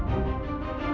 ngapain dia disini